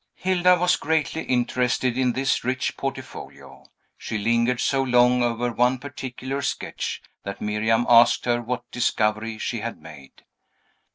Hilda was greatly interested in this rich portfolio. She lingered so long over one particular sketch, that Miriam asked her what discovery she had made.